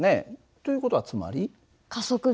という事はつまり？